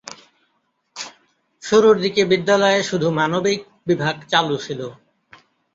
শুরুর দিকে বিদ্যালয়ে শুধু মানবিক বিভাগ চালু ছিল।